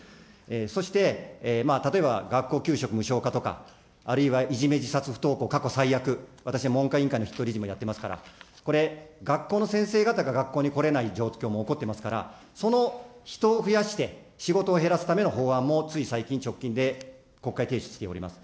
そして例えば学校給食無償化とか、あるいはいじめ、自殺、不登校、過去最悪、私は文科委員会の筆頭理事もやってますから、これ、学校の先生方が学校に来れない状況というのも起こってますから、その人を増やして、仕事を減らすための法案もつい最近直近で国会提出しております。